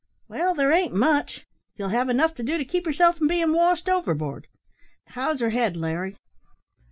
"Well, there ain't much: you'll have enough to do to keep yourself from being washed overboard. How's her head, Larry?"